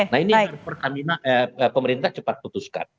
nah ini yang pertamina pemerintah cepat putuskan